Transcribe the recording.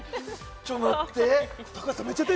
ちょっと待って！